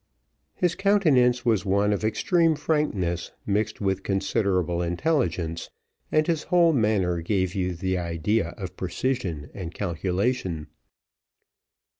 His countenance was one of extreme frankness, mixed with considerable intelligence, and his whole manner gave you the idea of precision and calculation.